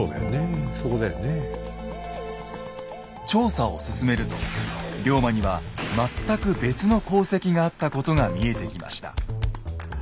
調査を進めると龍馬には全く別の功績があったことが見えてきました。